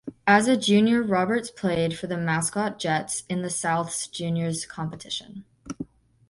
As a junior Roberts played for the Mascot Jets in the Souths juniors competition.